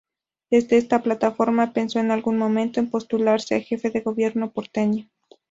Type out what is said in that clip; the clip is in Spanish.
Desde esta plataforma pensó en algún momento en postularse a jefe de gobierno porteño.